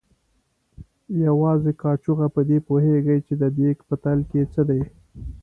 یوازې کاچوغه په دې پوهېږي چې د دیګ په تل کې څه دي.